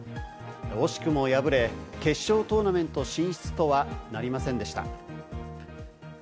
惜しくも敗れ、決勝トーナメント進出とはなりませんでした。